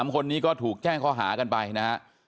๓คนนี้ก็ถูกแจ้งข้อหากันไปนะฮะ